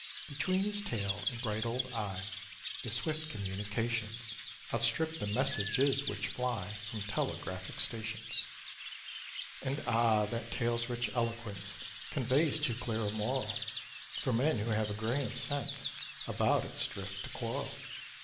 Between his tail and bright old eye The swift communications Outstrip the messages which fly From telegraphic stations. And, ah! that tail's rich eloquence Conveys too clear a moral, For men who have a grain of sense About its drift to quarrel.